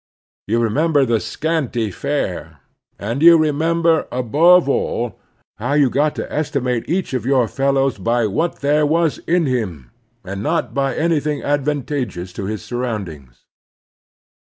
You remember the scanty fare, and you remember, above all, how you got to estimate each of your fellows by what there was in him and not by anjrthing adven The Heroic Virtues 255 titious in his surroundings.